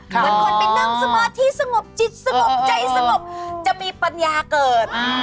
เหมือนคนไปนั่งสมาธิสงบจิตสงบใจสงบจะมีปัญญาเกิด